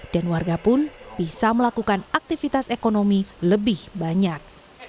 dan warga pun bisa melakukan aktivitas ekonomi lebih banyak